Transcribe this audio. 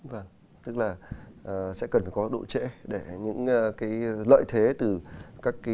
vâng tức là sẽ cần phải có độ trễ để những cái lợi thế từ các cái